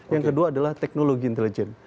yang kedua adalah teknologi intelijen